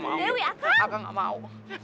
apaan sih gangguan